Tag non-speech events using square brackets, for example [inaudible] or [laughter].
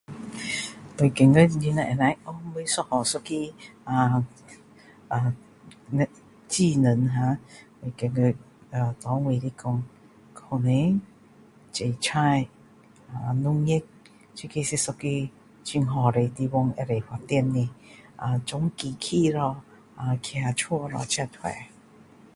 我觉得你们可以学不一样一个 ahh [unintelligible] 技能 ahh 我觉得拿我来说，可能种菜，农业这个是一个很好的地方可以发展的 ahh 修机器咯，建屋咯，这些都可以。